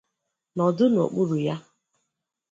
nọdụ n’okpuru ya